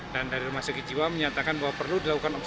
dan dari rumah sakit jiwa menyatakan bahwa perlu dilakukan observasi